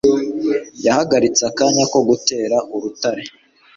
Yahagaritse akanya ko gutera urutare.